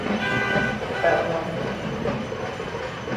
แปดร้อย